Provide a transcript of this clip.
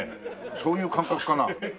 そういう感覚かな。